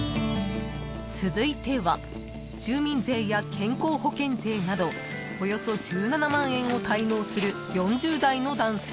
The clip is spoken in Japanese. ［続いては住民税や健康保険税などおよそ１７万円を滞納する４０代の男性］